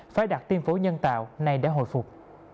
phải đặt tiêm phổi nhân tạo này để hồi phục